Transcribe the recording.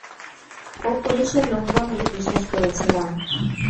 ও পুলিশের লোক বলেই বিশ্বাস করেছিলাম।